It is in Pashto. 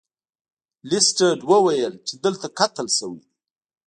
لیسټرډ وویل چې دلته قتل شوی دی.